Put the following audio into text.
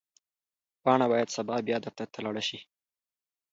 پاڼه باید سبا بیا دفتر ته لاړه شي.